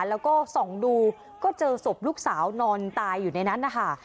แล้วก็ส่องดูก็เจอศพลูกสาวนอนตายอยู่ในนั้นนะคะ